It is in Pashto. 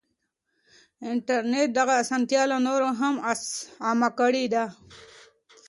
انټرنټ دغه اسانتيا لا نوره هم عامه کړې ده.